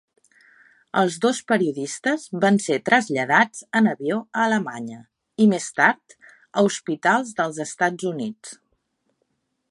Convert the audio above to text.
Els dos periodistes van ser traslladats en avió a Alemanya i més tard a hospitals dels Estats Units.